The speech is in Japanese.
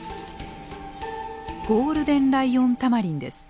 ゴールデンライオンタマリンです。